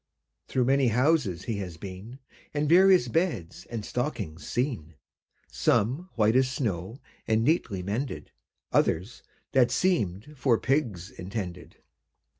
Through many houses he has been, And various beds and stockings seen; Some, white as snow, and neatly mended, Others, that seemed for pigs intended.